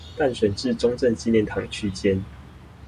淡水至中正紀念堂站區間